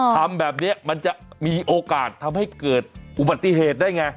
ทำแบบนี้มันจะมีโอกาสทำให้เกิดอุบัติเหตุได้ไง